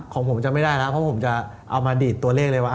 ของผมจะไม่ได้แล้วเพราะผมจะเอามาดีดตัวเลขเลยว่า